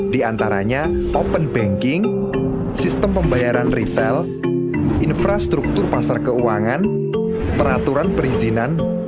di antaranya open banking sistem pembayaran retail infrastruktur pasar keuangan peraturan perizinan